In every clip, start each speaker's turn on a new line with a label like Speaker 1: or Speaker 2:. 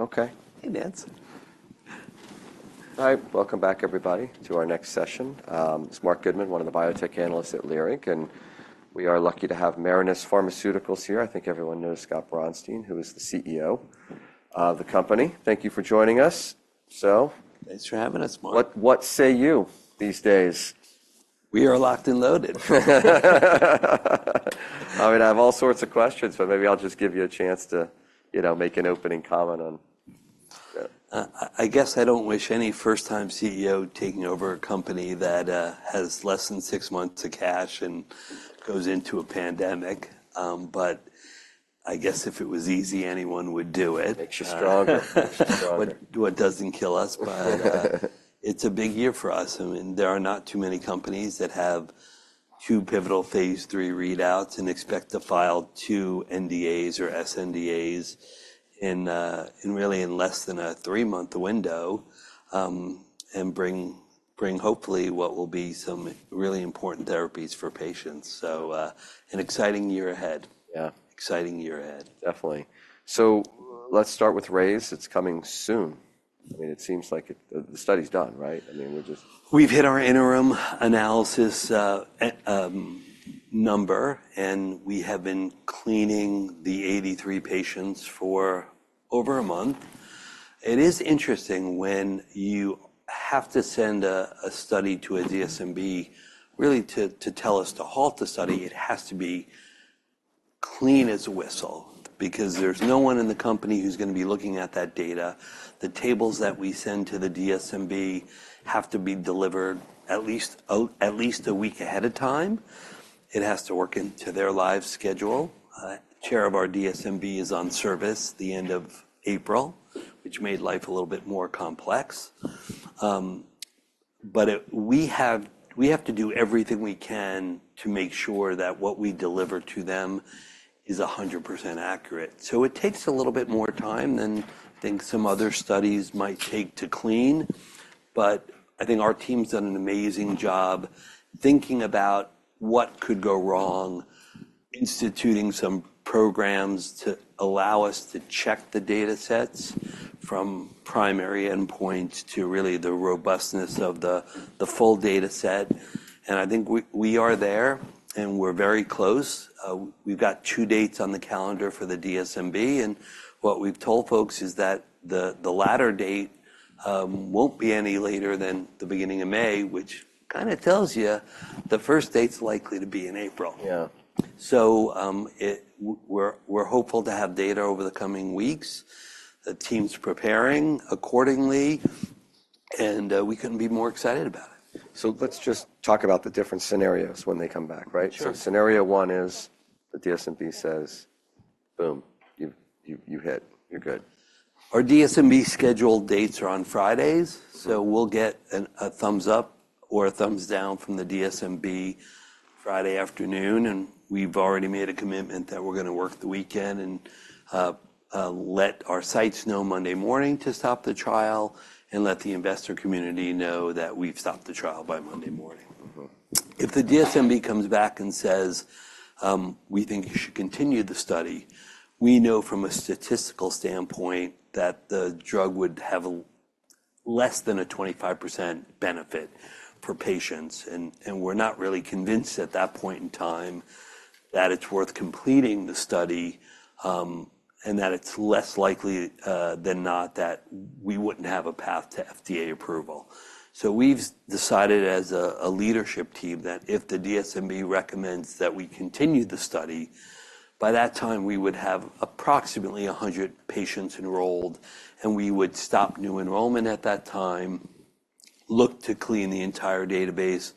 Speaker 1: Okay.
Speaker 2: Hey, Nancy. All right, welcome back, everybody, to our next session. It's Marc Goodman, one of the biotech analysts at Leerink, and we are lucky to have Marinus Pharmaceuticals here. I think everyone knows Scott Braunstein, who is the CEO of the company. Thank you for joining us, so.
Speaker 3: Thanks for having us, Marc.
Speaker 2: What, what say you these days?
Speaker 3: We are locked and loaded.
Speaker 2: I mean, I have all sorts of questions, but maybe I'll just give you a chance to, you know, make an opening comment on that.
Speaker 3: I guess I don't wish any first-time CEO taking over a company that has less than six months of cash and goes into a pandemic. But I guess if it was easy, anyone would do it.
Speaker 2: Makes you stronger.
Speaker 3: What, what doesn't kill us, but it's a big year for us. I mean, there are not too many companies that have two pivotal phase III readouts and expect to file two NDAs or sNDAs in, in really in less than a three-month window, and bring, bring hopefully what will be some really important therapies for patients. So, an exciting year ahead.
Speaker 2: Yeah.
Speaker 3: Exciting year ahead.
Speaker 2: Definitely. So let's start with RAISE. It's coming soon. I mean, it seems like the study's done, right? I mean, we're just.
Speaker 3: We've hit our interim analysis enrollment number, and we have been cleaning the 83 patients for over a month. It is interesting when you have to send a study to a DSMB, really, to tell us to halt the study. It has to be clean as a whistle because there's no one in the company who's going to be looking at that data. The tables that we send to the DSMB have to be delivered at least a week ahead of time. It has to work into their lives' schedule. The chair of our DSMB is on service the end of April, which made life a little bit more complex. But we have to do everything we can to make sure that what we deliver to them is 100% accurate. So it takes a little bit more time than I think some other studies might take to clean. But I think our team's done an amazing job thinking about what could go wrong, instituting some programs to allow us to check the data sets from primary endpoints to really the robustness of the full data set. And I think we are there, and we're very close. We've got two dates on the calendar for the DSMB, and what we've told folks is that the latter date won't be any later than the beginning of May, which kind of tells you the first date's likely to be in April.
Speaker 2: Yeah.
Speaker 3: So, we're hopeful to have data over the coming weeks. The team's preparing accordingly, and we couldn't be more excited about it.
Speaker 2: Let's just talk about the different scenarios when they come back, right?
Speaker 3: Sure.
Speaker 2: Scenario one is the DSMB says, boom, you've hit. You're good.
Speaker 3: Our DSMB scheduled dates are on Fridays, so we'll get a thumbs up or a thumbs down from the DSMB Friday afternoon. We've already made a commitment that we're going to work the weekend and let our sites know Monday morning to stop the trial and let the investor community know that we've stopped the trial by Monday morning.
Speaker 2: Mm-hmm.
Speaker 3: If the DSMB comes back and says, we think you should continue the study, we know from a statistical standpoint that the drug would have a less than a 25% benefit for patients. And we're not really convinced at that point in time that it's worth completing the study, and that it's less likely than not that we wouldn't have a path to FDA approval. So we've decided as a leadership team that if the DSMB recommends that we continue the study, by that time we would have approximately 100 patients enrolled, and we would stop new enrollment at that time, look to clean the entire database,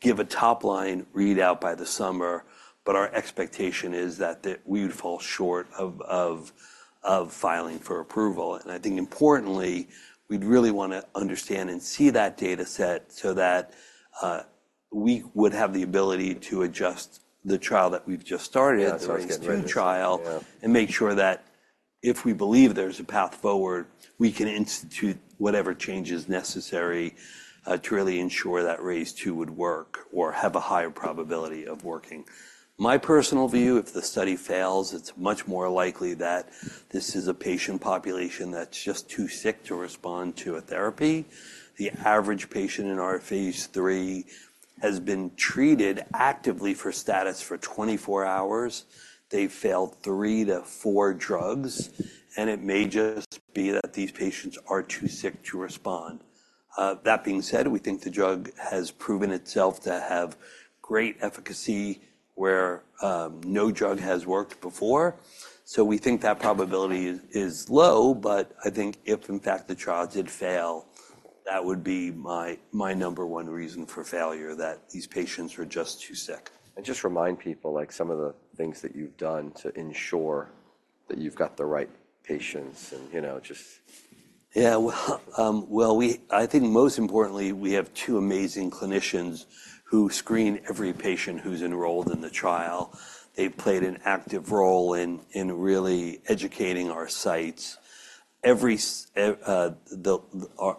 Speaker 3: give a topline readout by the summer. But our expectation is that we would fall short of filing for approval. I think importantly, we'd really want to understand and see that data set so that we would have the ability to adjust the trial that we've just started.
Speaker 2: That's why it's getting ready.
Speaker 3: A new trial and make sure that if we believe there's a path forward, we can institute whatever change is necessary, to really ensure that RAISE II would work or have a higher probability of working. My personal view, if the study fails, it's much more likely that this is a patient population that's just too sick to respond to a therapy. The average patient in our phase III has been treated actively for status for 24 hours. They've failed three to four drugs, and it may just be that these patients are too sick to respond. That being said, we think the drug has proven itself to have great efficacy where no drug has worked before. So we think that probability is low. I think if, in fact, the trial did fail, that would be my number one reason for failure, that these patients were just too sick.
Speaker 2: Just remind people, like, some of the things that you've done to ensure that you've got the right patients and, you know, just.
Speaker 3: Yeah. Well, I think most importantly, we have two amazing clinicians who screen every patient who's enrolled in the trial. They've played an active role in really educating our sites. Every site.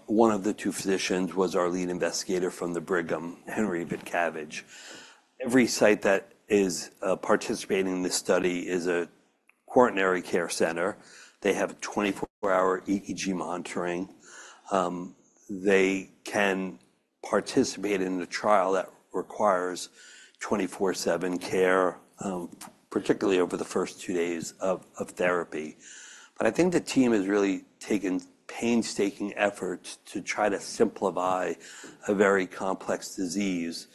Speaker 3: One of the two physicians was our lead investigator from the Brigham, Henrikas Vaitkevicius. Every site that is participating in this study is a quaternary care center. They have 24-hour EEG monitoring. They can participate in a trial that requires 24/7 care, particularly over the first two days of therapy. But I think the team has really taken painstaking efforts to try to simplify a very complex disease.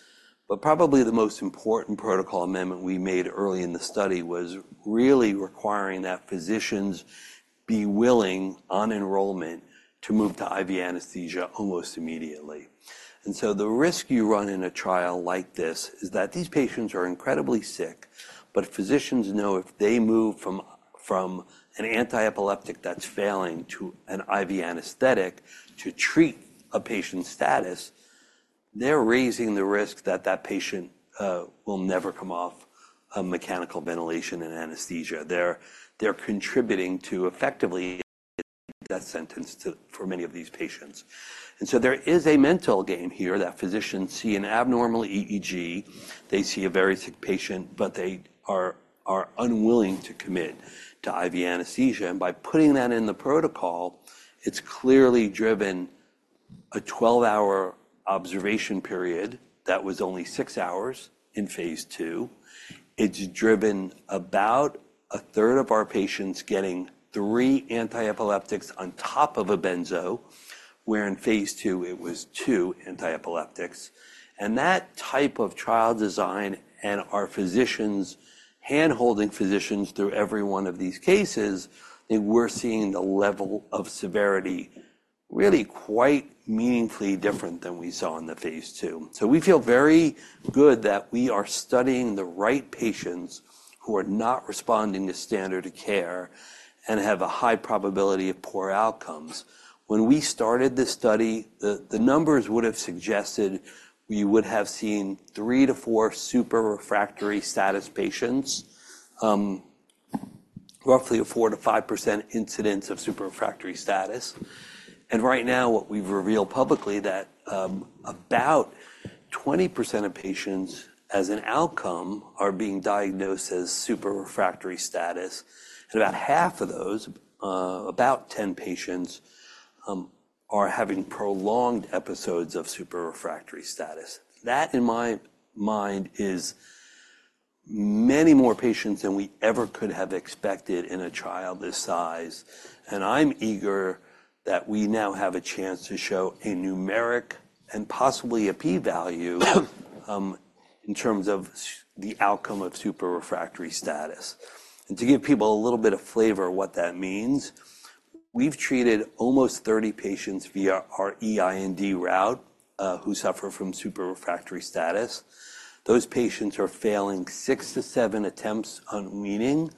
Speaker 3: But probably the most important protocol amendment we made early in the study was really requiring that physicians be willing, on enrollment, to move to IV anesthesia almost immediately. The risk you run in a trial like this is that these patients are incredibly sick, but physicians know if they move from an antiepileptic that's failing to an IV anesthetic to treat a patient's status, they're raising the risk that that patient will never come off mechanical ventilation and anesthesia. They're contributing to effectively ending that sentence to for many of these patients. There is a mental game here that physicians see an abnormal EEG. They see a very sick patient, but they are unwilling to commit to IV anesthesia. By putting that in the protocol, it's clearly driven a 12-hour observation period that was only six hours in phase II. It's driven about a third of our patients getting three antiepileptics on top of a benzo, where in phase II it was two antiepileptics. And that type of trial design and our physicians handholding physicians through every one of these cases, I think we're seeing the level of severity really quite meaningfully different than we saw in the phase II. So we feel very good that we are studying the right patients who are not responding to standard of care and have a high probability of poor outcomes. When we started this study, the numbers would have suggested we would have seen three to four super refractory status patients, roughly a 4%-5% incidence of super refractory status. And right now what we've revealed publicly that about 20% of patients as an outcome are being diagnosed as super refractory status, and about half of those, about 10 patients, are having prolonged episodes of super refractory status. That, in my mind, is many more patients than we ever could have expected in a trial this size. And I'm eager that we now have a chance to show a numeric and possibly a p-value, in terms of the outcome of super refractory status. And to give people a little bit of flavor of what that means, we've treated almost 30 patients via our EIND route, who suffer from super refractory status. Those patients are failing six to seven attempts on weaning,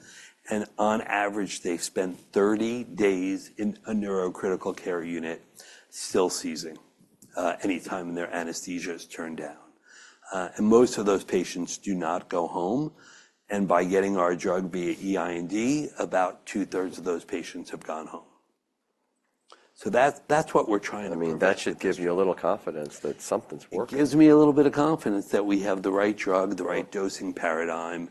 Speaker 3: and on average they've spent 30 days in a neurocritical care unit still seizing, any time their anesthesia is turned down. And most of those patients do not go home. And by getting our drug via EIND, about 2/3 of those patients have gone home. So that's, that's what we're trying to do.
Speaker 2: I mean, that should give you a little confidence that something's working.
Speaker 3: It gives me a little bit of confidence that we have the right drug, the right dosing paradigm,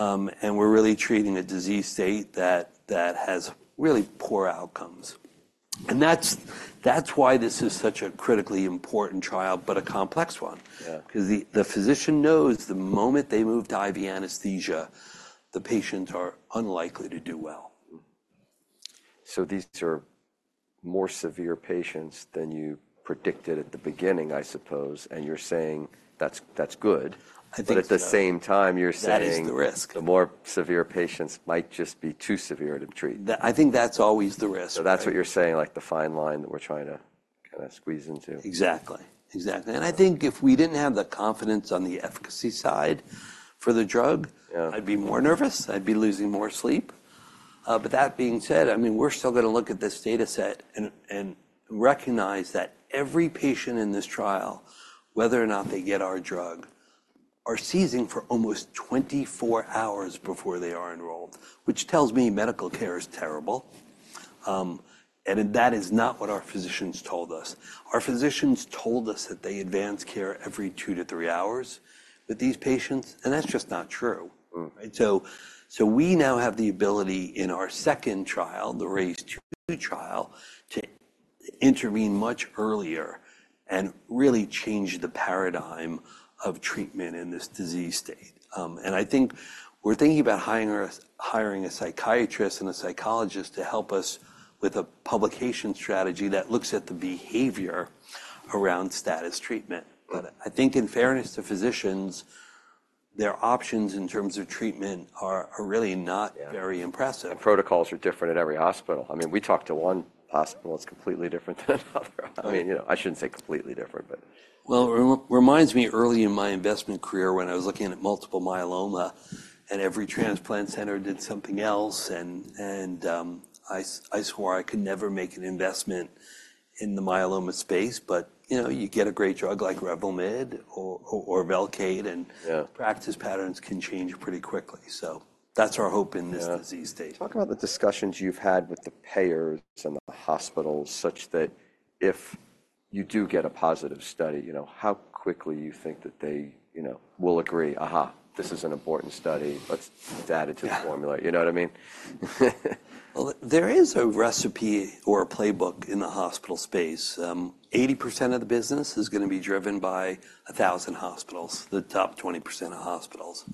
Speaker 3: and we're really treating a disease state that, that has really poor outcomes. And that's, that's why this is such a critically important trial, but a complex one.
Speaker 2: Yeah.
Speaker 3: Because the physician knows the moment they move to IV anesthesia, the patients are unlikely to do well.
Speaker 2: These are more severe patients than you predicted at the beginning, I suppose. You're saying that's, that's good.
Speaker 3: I think.
Speaker 2: But at the same time you're saying.
Speaker 3: That is the risk.
Speaker 2: The more severe patients might just be too severe to treat.
Speaker 3: I think that's always the risk.
Speaker 2: So that's what you're saying, like the fine line that we're trying to kind of squeeze into.
Speaker 3: Exactly. Exactly. And I think if we didn't have the confidence on the efficacy side for the drug.
Speaker 2: Yeah.
Speaker 3: I'd be more nervous. I'd be losing more sleep. But that being said, I mean, we're still going to look at this data set and recognize that every patient in this trial, whether or not they get our drug, are seizing for almost 24 hours before they are enrolled, which tells me medical care is terrible. And that is not what our physicians told us. Our physicians told us that they advance care every two to three hours with these patients, and that's just not true.
Speaker 2: Mm-hmm.
Speaker 3: Right. So, so we now have the ability in our second trial, the RAISE-2 trial, to intervene much earlier and really change the paradigm of treatment in this disease state. And I think we're thinking about hiring a psychiatrist and a psychologist to help us with a publication strategy that looks at the behavior around status treatment. But I think in fairness to physicians, their options in terms of treatment are really not very impressive.
Speaker 2: And protocols are different at every hospital. I mean, we talked to one hospital that's completely different than another. I mean, you know, I shouldn't say completely different, but.
Speaker 3: Well, it reminds me early in my investment career when I was looking at multiple myeloma and every transplant center did something else. And I swore I could never make an investment in the myeloma space. But, you know, you get a great drug like Revlimid or Velcade and.
Speaker 2: Yeah.
Speaker 3: Practice patterns can change pretty quickly. That's our hope in this disease state.
Speaker 2: Talk about the discussions you've had with the payers and the hospitals, such that if you do get a positive study, you know, how quickly you think that they, you know, will agree. Uh-huh. This is an important study. Let's add it to the formula. You know what I mean?
Speaker 3: Well, there is a recipe or a playbook in the hospital space. 80% of the business is going to be driven by 1,000 hospitals, the top 20% of hospitals.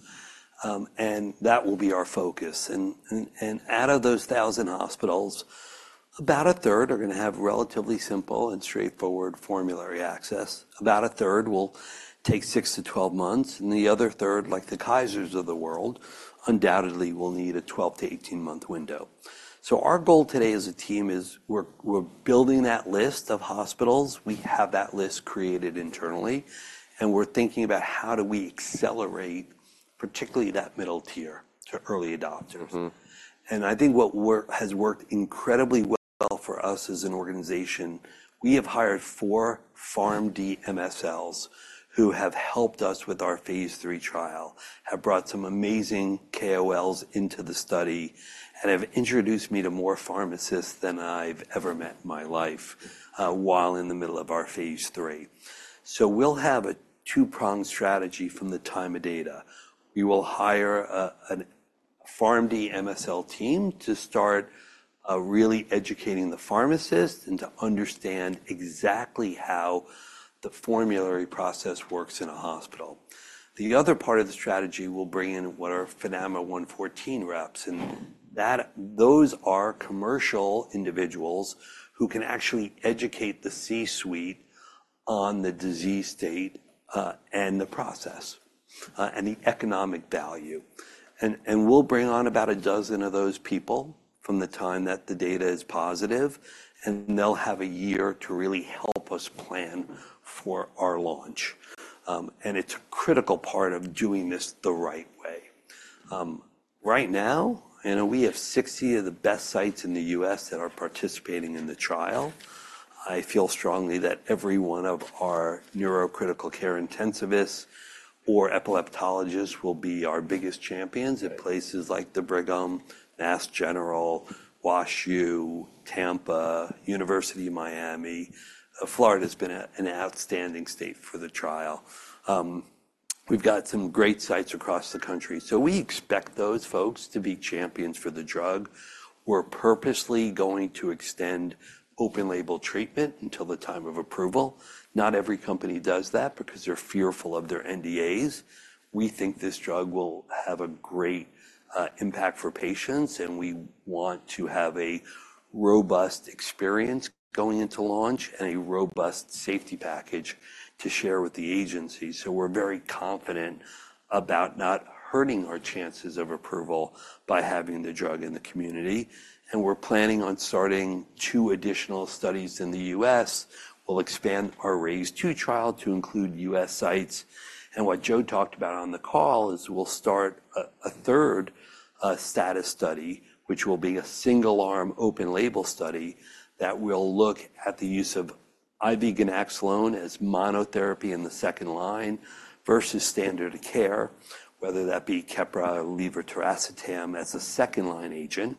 Speaker 3: And that will be our focus. And, and, and out of those 1,000 hospitals, about a third are going to have relatively simple and straightforward formulary access. About a third will take six to 12 months. And the other third, like the Kaisers of the world, undoubtedly will need a 12-18-month window. So our goal today as a team is we're, we're building that list of hospitals. We have that list created internally, and we're thinking about how do we accelerate, particularly that middle tier to early adopters.
Speaker 2: Mm-hmm.
Speaker 3: I think what has worked incredibly well for us as an organization. We have hired four PharmD MSLs who have helped us with our phase III trial, have brought some amazing KOLs into the study, and have introduced me to more pharmacists than I've ever met in my life, while in the middle of our phase III. So we'll have a two-pronged strategy from the time of data. We will hire a PharmD MSL team to start, really educating the pharmacist and to understand exactly how the formulary process works in a hospital. The other part of the strategy will bring in what are FDAMA 114 reps. And those are commercial individuals who can actually educate the C-suite on the disease state, and the process, and the economic value. We'll bring on about a dozen of those people from the time that the data is positive, and they'll have a year to really help us plan for our launch. It's a critical part of doing this the right way. Right now, you know, we have 60 of the best sites in the U.S. that are participating in the trial. I feel strongly that every one of our neurocritical care intensivists or epileptologists will be our biggest champions at places like the Brigham, Mass General, WashU, Tampa, University of Miami. Florida has been an outstanding state for the trial. We've got some great sites across the country, so we expect those folks to be champions for the drug. We're purposely going to extend open label treatment until the time of approval. Not every company does that because they're fearful of their NDAs. We think this drug will have a great impact for patients, and we want to have a robust experience going into launch and a robust safety package to share with the agency. So we're very confident about not hurting our chances of approval by having the drug in the community. We're planning on starting two additional studies in the U.S. We'll expand our RAISE trial to include U.S. sites. What Joe talked about on the call is we'll start a third status study, which will be a single arm open label study that will look at the use of IV ganaxolone as monotherapy in the second line versus standard of care, whether that be Keppra or levetiracetam as a second line agent.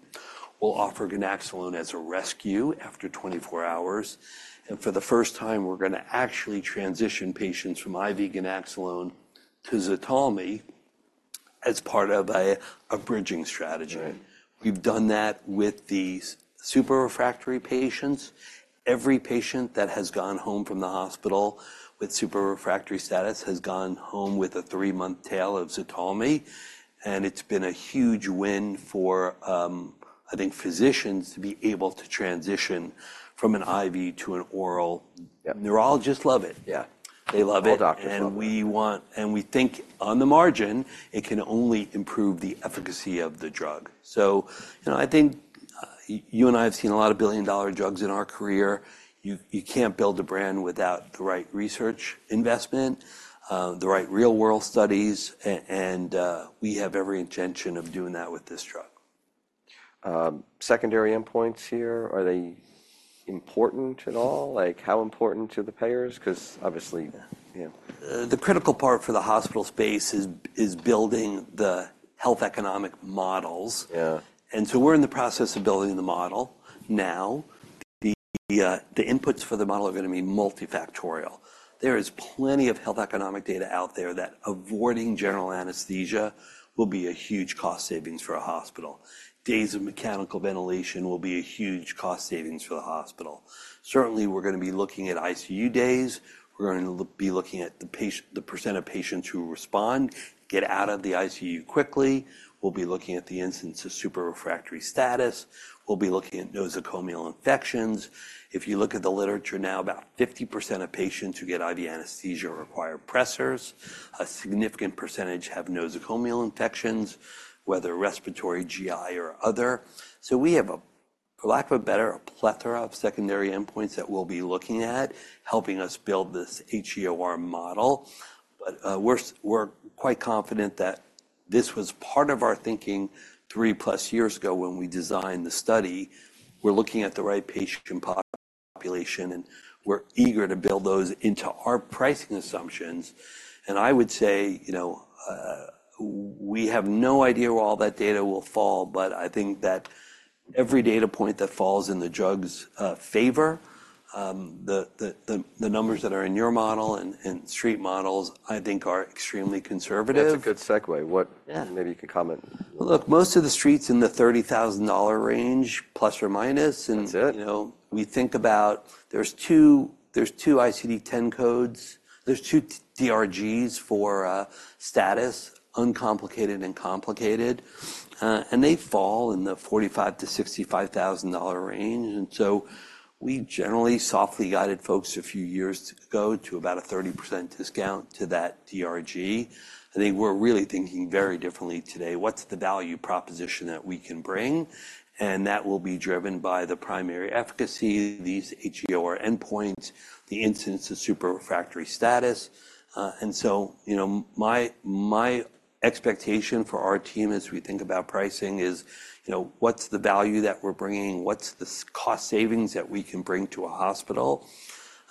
Speaker 3: We'll offer ganaxolone as a rescue after 24 hours. And for the first time, we're going to actually transition patients from IV ganaxolone to Ztalmy as part of a bridging strategy. We've done that with these super refractory patients. Every patient that has gone home from the hospital with super refractory status has gone home with a three-month tail of Ztalmy. And it's been a huge win for, I think physicians to be able to transition from an IV to an oral.
Speaker 2: Yeah.
Speaker 3: Neurologists love it.
Speaker 2: Yeah.
Speaker 3: They love it.
Speaker 2: All doctors love it.
Speaker 3: We want, and we think, on the margin it can only improve the efficacy of the drug. So, you know, I think, you and I have seen a lot of billion-dollar drugs in our career. You, you can't build a brand without the right research investment, the right real-world studies. And we have every intention of doing that with this drug.
Speaker 2: Secondary endpoints here, are they important at all? Like, how important to the payers? Because obviously, you know.
Speaker 3: The critical part for the hospital space is building the health economic models.
Speaker 2: Yeah.
Speaker 3: And so we're in the process of building the model now. The inputs for the model are going to be multifactorial. There is plenty of health economic data out there that avoiding general anesthesia will be a huge cost savings for a hospital. Days of mechanical ventilation will be a huge cost savings for the hospital. Certainly we're going to be looking at ICU days. We're going to be looking at the patient, the percent of patients who respond, get out of the ICU quickly. We'll be looking at the instance of super refractory status. We'll be looking at nosocomial infections. If you look at the literature now, about 50% of patients who get IV anesthesia require pressors. A significant percentage have nosocomial infections, whether respiratory, GI or other. So we have a, for lack of a better, a plethora of secondary endpoints that we'll be looking at helping us build this HEOR model. But we're quite confident that this was part of our thinking 3+ years ago when we designed the study. We're looking at the right patient population and we're eager to build those into our pricing assumptions. And I would say, you know, we have no idea where all that data will fall, but I think that every data point that falls in the drug's favor, the numbers that are in your model and street models, I think are extremely conservative.
Speaker 2: That's a good segue. What.
Speaker 3: Yeah.
Speaker 2: Maybe you can comment.
Speaker 3: Look, most of the streets in the $30,000 range plus or minus.
Speaker 2: That's it.
Speaker 3: You know, we think about there's two, there's two ICD-10 codes, there's two DRGs for status, uncomplicated and complicated. And they fall in the $45,000-$65,000 range. And so we generally softly guided folks a few years ago to about a 30% discount to that DRG. I think we're really thinking very differently today. What's the value proposition that we can bring? And that will be driven by the primary efficacy, these HEOR endpoints, the instance of super refractory status. And so, you know, my, my expectation for our team as we think about pricing is, you know, what's the value that we're bringing? What's the cost savings that we can bring to a hospital?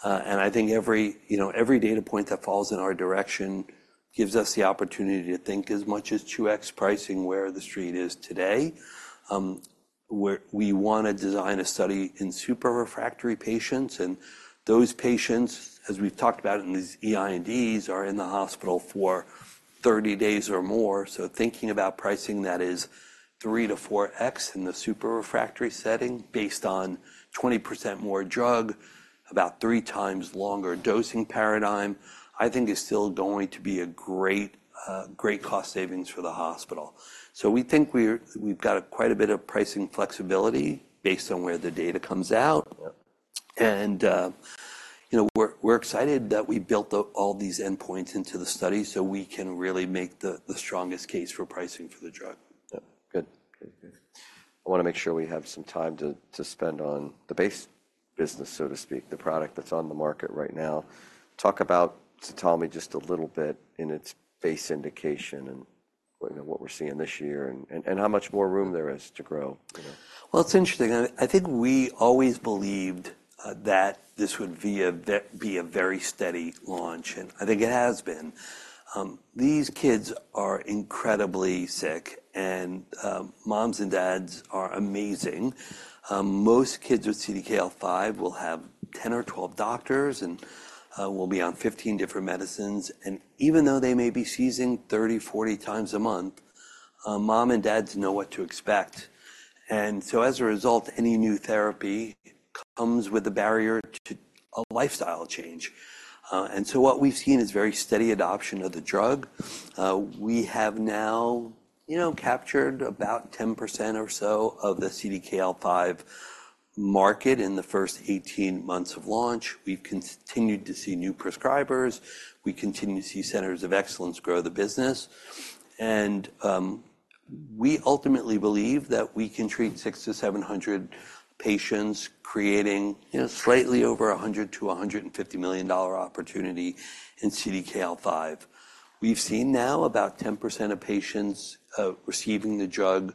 Speaker 3: And I think every, you know, every data point that falls in our direction gives us the opportunity to think as much as 2x pricing where the street is today. We want to design a study in super refractory patients. And those patients, as we've talked about in these EINDs, are in the hospital for 30 days or more. So thinking about pricing that is 3x-4x in the super refractory setting based on 20% more drug, about three times longer dosing paradigm, I think is still going to be a great, great cost savings for the hospital. So we think we've got quite a bit of pricing flexibility based on where the data comes out.
Speaker 2: Yeah.
Speaker 3: You know, we're excited that we built all these endpoints into the study so we can really make the strongest case for pricing for the drug.
Speaker 2: Yeah. Good. Good, good. I want to make sure we have some time to spend on the base business, so to speak, the product that's on the market right now. Talk about Ztalmy just a little bit in its base indication and, you know, what we're seeing this year and how much more room there is to grow.
Speaker 3: You know, well, it's interesting. I think we always believed that this would be a very steady launch. And I think it has been. These kids are incredibly sick, and moms and dads are amazing. Most kids with CDKL5 will have 10 or 12 doctors and will be on 15 different medicines. And even though they may be seizing 30-40 times a month, mom and dads know what to expect. And so as a result, any new therapy comes with a barrier to a lifestyle change. And so what we've seen is very steady adoption of the drug. We have now, you know, captured about 10% or so of the CDKL5 market in the first 18 months of launch. We've continued to see new prescribers. We continue to see centers of excellence grow the business. We ultimately believe that we can treat 600-700 patients, creating, you know, slightly over $100 million-$150 million opportunity in CDKL5. We've seen now about 10% of patients receiving the drug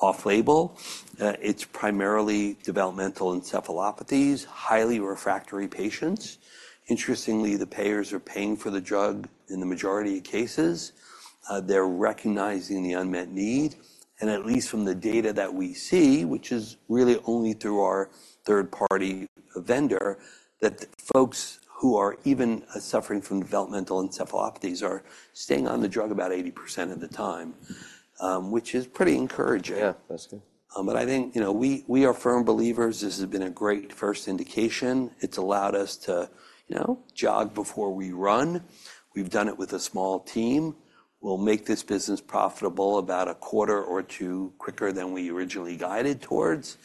Speaker 3: off-label. It's primarily developmental encephalopathies, highly refractory patients. Interestingly, the payers are paying for the drug in the majority of cases. They're recognizing the unmet need. And at least from the data that we see, which is really only through our third-party vendor, that folks who are even suffering from developmental encephalopathies are staying on the drug about 80% of the time, which is pretty encouraging.
Speaker 2: Yeah, that's good.
Speaker 3: But I think, you know, we are firm believers. This has been a great first indication. It's allowed us to, you know, jog before we run. We've done it with a small team. We'll make this business profitable about a quarter or two quicker than we originally guided towards.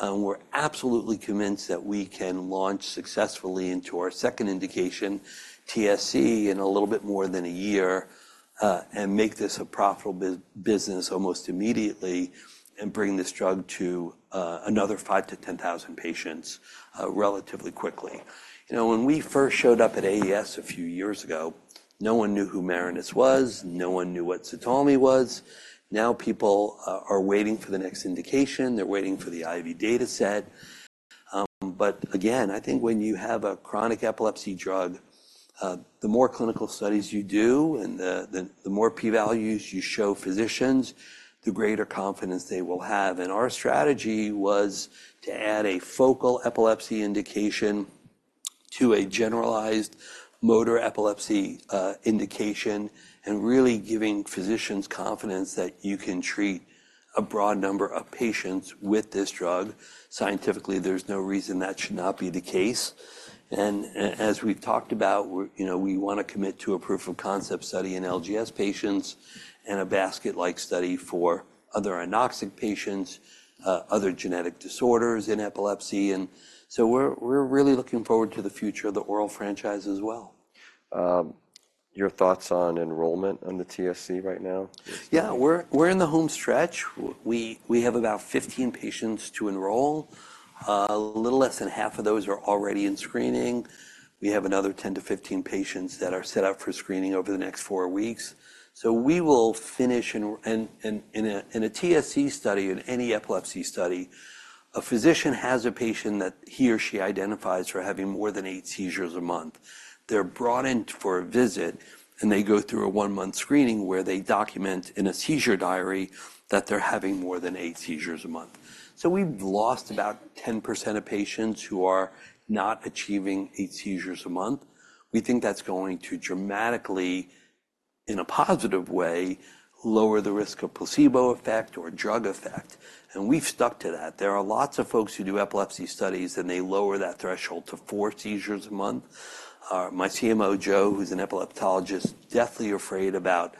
Speaker 3: We're absolutely convinced that we can launch successfully into our second indication, TSC, in a little bit more than a year, and make this a profitable business almost immediately and bring this drug to another 5,000-10,000 patients, relatively quickly. You know, when we first showed up at AES a few years ago, no one knew who Marinus was. No one knew what Ztalmy was. Now people are waiting for the next indication. They're waiting for the IV data set. But again, I think when you have a chronic epilepsy drug, the more clinical studies you do and the more p-values you show physicians, the greater confidence they will have. And our strategy was to add a focal epilepsy indication to a generalized motor epilepsy indication and really giving physicians confidence that you can treat a broad number of patients with this drug. Scientifically, there's no reason that should not be the case. And as we've talked about, we're, you know, we want to commit to a proof of concept study in LGS patients and a basket-like study for other anoxic patients, other genetic disorders in epilepsy. And so we're really looking forward to the future of the oral franchise as well.
Speaker 2: Your thoughts on enrollment on the TSC right now?
Speaker 3: Yeah, we're in the home stretch. We have about 15 patients to enroll. A little less than half of those are already in screening. We have another 10-15 patients that are set up for screening over the next four weeks. So we will finish, and in a TSC study, in any epilepsy study, a physician has a patient that he or she identifies for having more than eight seizures a month. They're brought in for a visit and they go through a one-month screening where they document in a seizure diary that they're having more than eight seizures a month. So we've lost about 10% of patients who are not achieving eight seizures a month. We think that's going to dramatically, in a positive way, lower the risk of placebo effect or drug effect. And we've stuck to that. There are lots of folks who do epilepsy studies and they lower that threshold to four seizures a month. My CMO, Joe, who's an epileptologist, is deathly afraid about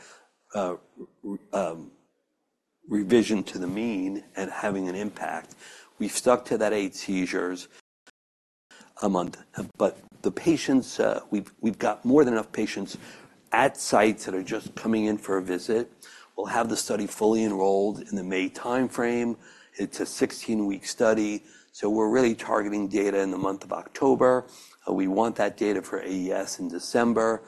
Speaker 3: regression to the mean and having an impact. We've stuck to that eight seizures a month. But the patients, we've, we've got more than enough patients at sites that are just coming in for a visit. We'll have the study fully enrolled in the May timeframe. It's a 16-week study. So we're really targeting data in the month of October. We want that data for AES in December.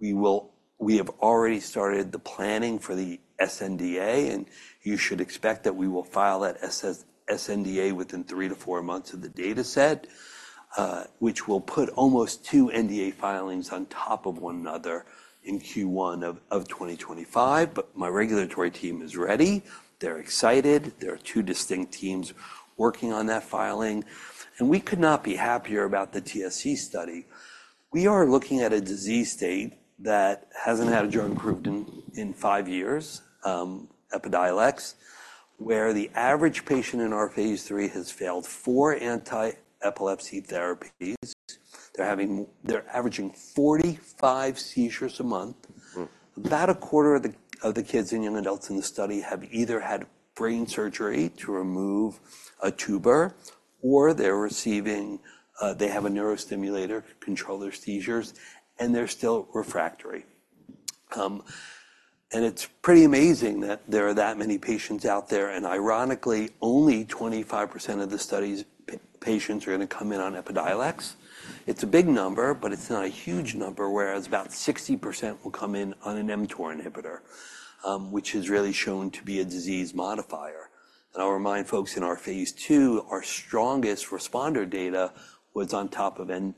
Speaker 3: We will. We have already started the planning for the SNDA, and you should expect that we will file that SNDA within three to four months of the data set, which will put almost two NDA filings on top of one another in Q1 of 2025. But my regulatory team is ready. They're excited. There are two distinct teams working on that filing. We could not be happier about the TSC study. We are looking at a disease state that hasn't had a drug approved in five years, Epidiolex, where the average patient in our phase III has failed four anti-epilepsy therapies. They're averaging 45 seizures a month. About 1/4 of the kids and young adults in the study have either had brain surgery to remove a tuber or they have a neurostimulator control their seizures, and they're still refractory. It's pretty amazing that there are that many patients out there. Ironically, only 25% of the study's patients are going to come in on Epidiolex. It's a big number, but it's not a huge number, whereas about 60% will come in on an mTOR inhibitor, which has really shown to be a disease modifier. And I'll remind folks in our phase II, our strongest responder data was on top of mTOR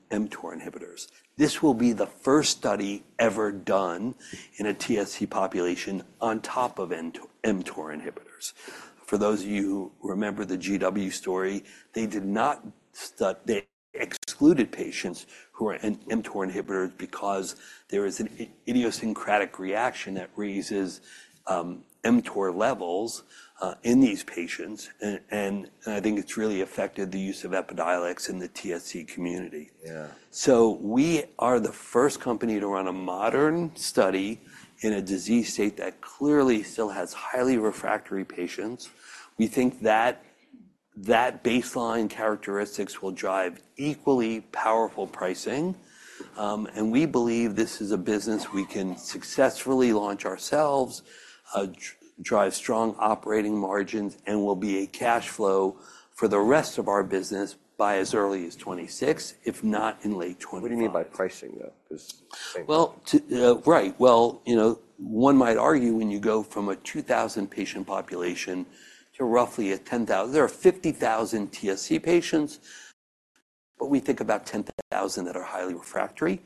Speaker 3: inhibitors. This will be the first study ever done in a TSC population on top of mTOR inhibitors. For those of you who remember the GW story, they did not study. They excluded patients who were in mTOR inhibitors because there is an idiosyncratic reaction that raises mTOR levels in these patients. And, and I think it's really affected the use of Epidiolex in the TSC community. Yeah. So we are the first company to run a modern study in a disease state that clearly still has highly refractory patients. We think that that baseline characteristics will drive equally powerful pricing. We believe this is a business we can successfully launch ourselves, drive strong operating margins, and will be a cash flow for the rest of our business by as early as 2026, if not in late.
Speaker 2: What do you mean by pricing, though? Because.
Speaker 3: Well, you know, one might argue when you go from a 2,000 patient population to roughly a 10,000, there are 50,000 TSC patients, but we think about 10,000 that are highly refractory.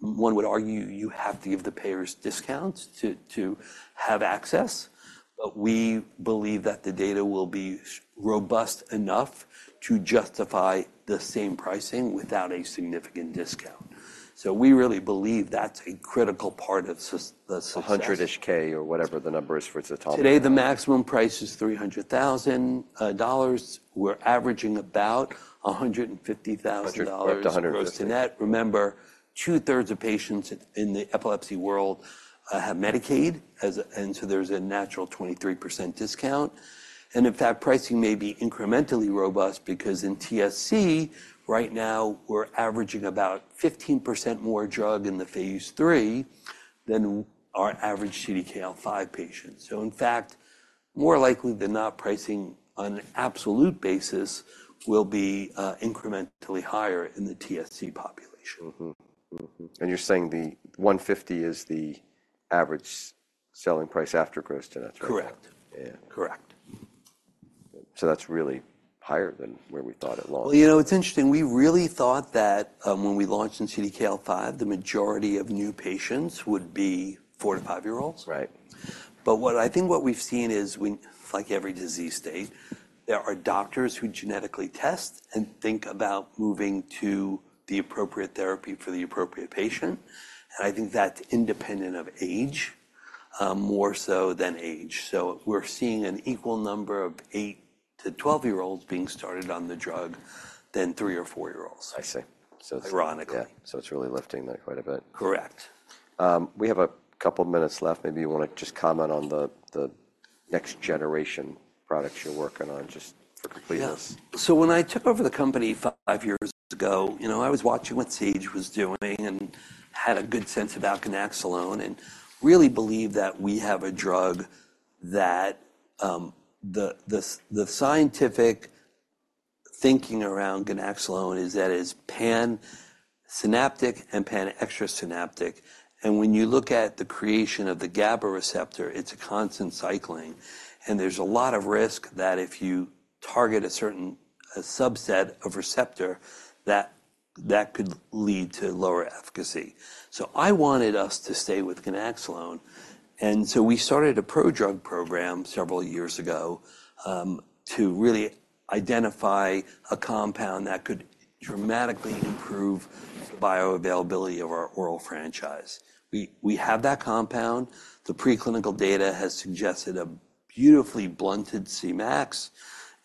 Speaker 3: One would argue you have to give the payers discounts to have access. But we believe that the data will be robust enough to justify the same pricing without a significant discount. So we really believe that's a critical part of the.
Speaker 2: 100-ish K or whatever the number is for Ztalmy.
Speaker 3: Today, the maximum price is $300,000. We're averaging about $150,000.
Speaker 2: $150,000 to net.
Speaker 3: Remember, two-thirds of patients in the epilepsy world have Medicaid as a. And so there's a natural 23% discount. And in fact, pricing may be incrementally robust because in TSC right now, we're averaging about 15% more drug in the phase III than our average CDKL5 patients. So in fact, more likely than not, pricing on an absolute basis will be incrementally higher in the TSC population.
Speaker 2: You're saying the $150 is the average selling price after gross to net.
Speaker 3: Correct. Yeah, correct.
Speaker 2: That's really higher than where we thought it long.
Speaker 3: Well, you know, it's interesting. We really thought that, when we launched in CDKL5, the majority of new patients would be four-five-year-olds. Right. But what I think we've seen is we, like every disease state, there are doctors who genetically test and think about moving to the appropriate therapy for the appropriate patient. And I think that's independent of age, more so than age. So we're seeing an equal number of eight-12-year-olds being started on the drug than three or four-year-olds.
Speaker 2: I see. So it's.
Speaker 3: Ironically.
Speaker 2: Yeah. So it's really lifting that quite a bit.
Speaker 3: Correct.
Speaker 2: We have a couple of minutes left. Maybe you want to just comment on the next generation products you're working on just for completeness.
Speaker 3: Yeah. So when I took over the company five years ago, you know, I was watching what Sage was doing and had a good sense about ganaxolone and really believed that we have a drug that the scientific thinking around ganaxolone is that it is pan-synaptic and pan-extra-synaptic. And when you look at the creation of the GABA receptor, it's a constant cycling and there's a lot of risk that if you target a certain, a subset of receptor, that could lead to lower efficacy. So I wanted us to stay with ganaxolone. And so we started a pro-drug program several years ago, to really identify a compound that could dramatically improve the bioavailability of our oral franchise. We have that compound. The preclinical data has suggested a beautifully blunted Cmax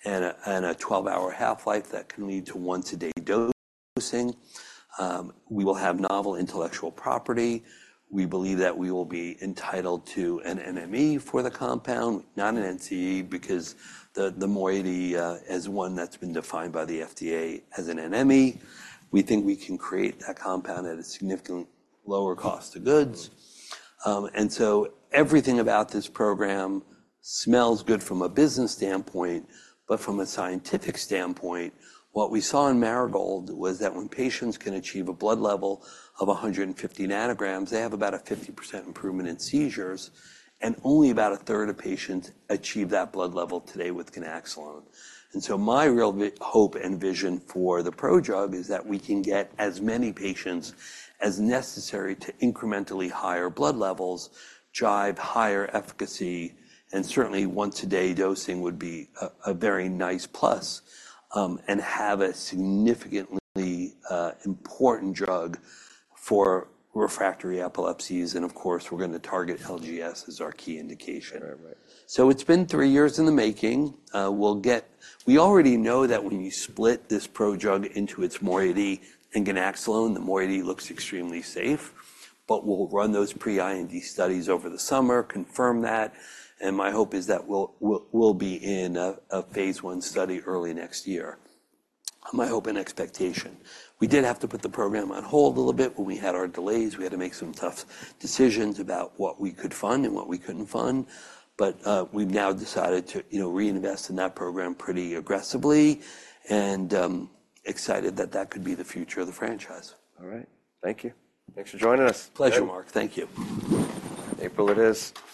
Speaker 3: and a 12-hour half-life that can lead to once-a-day dosing. We will have novel intellectual property. We believe that we will be entitled to an NME for the compound, not an NCE, because the moiety is one that's been defined by the FDA as an NME. We think we can create that compound at a significantly lower cost of goods. And so everything about this program smells good from a business standpoint, but from a scientific standpoint, what we saw in Marigold was that when patients can achieve a blood level of 150 ng, they have about a 50% improvement in seizures, and only about 1/3 of patients achieve that blood level today with ganaxolone. So my real hope and vision for the pro-drug is that we can get as many patients as necessary to incrementally higher blood levels, drive higher efficacy, and certainly once-a-day dosing would be a very nice plus, and have a significantly important drug for refractory epilepsies. Of course, we're going to target LGS as our key indication. Right, right. So it's been three years in the making. We'll get. We already know that when you split this pro-drug into its moiety and ganaxolone, the moiety looks extremely safe, but we'll run those pre-IND studies over the summer, confirm that. My hope is that we'll be in a phase I study early next year. My hope and expectation. We did have to put the program on hold a little bit when we had our delays. We had to make some tough decisions about what we could fund and what we couldn't fund. But we've now decided to, you know, reinvest in that program pretty aggressively and excited that that could be the future of the franchise.
Speaker 2: All right. Thank you. Thanks for joining us.
Speaker 3: Pleasure, Marc. Thank you.
Speaker 2: April it is.